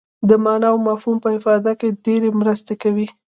د معنا او مفهوم په افاده کې ډېره مرسته کوي.